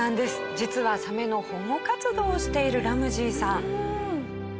実はサメの保護活動をしているラムジーさん。